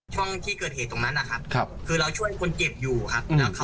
ช่วงที่เกิดเหตุตรงนั้นนะครับคือเราช่วยคนเจ็บอยู่ครับ